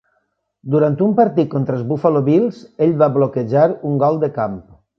Durant un partit contra els Buffalo Bills, ell va bloquejar un gol de camp.